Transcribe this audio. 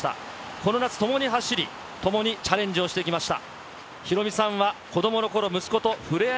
この夏、共に走り、共にチャレンジをしてきました。